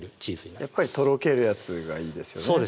やっぱりとろけるやつがいいですよね